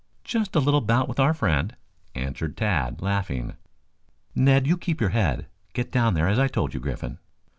"Just a little bout with our friend," answered Tad, laughing. "Ned, you keep your head. Get down there as I told you, Griffin!"